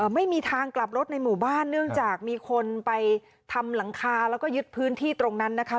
ไม่มีทางกลับรถในหมู่บ้านเนื่องจากมีคนไปทำหลังคาแล้วก็ยึดพื้นที่ตรงนั้นนะคะ